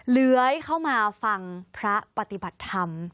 เลื้อยเข้ามาฟังพระปฏิบัติธรรม